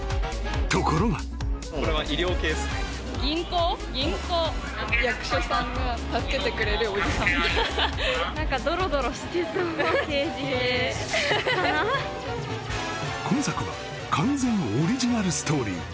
ところが今作は完全オリジナルストーリー